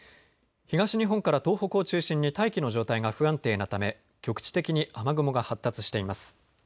東日本から東北を中心に大気の状態が不安定なため局地的に雨雲が発達しています。